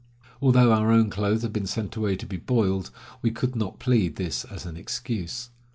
Although our own clothes had been sent away to be boiled, we could not plead this as an excuse.